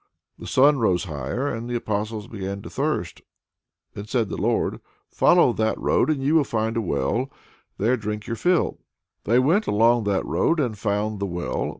The sun rose higher, and the Apostles began to thirst. Then said the Lord: "Follow that road, and ye will find a well; there drink your fill." They went along that road and found the well.